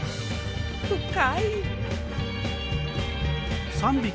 深い！